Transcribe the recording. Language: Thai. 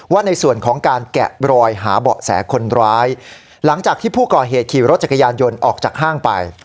ว่าในส่วนของการแกะรอยหาเบาะแสคนร้ายหลังจากที่ผู้ก่อเหตุขี่รถจักรยานยนต์ออกจากห้างไป